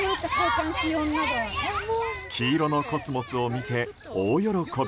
黄色のコスモスを見て大喜び。